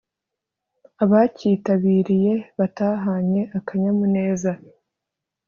abacyitabiriye batahanye akanyamuneza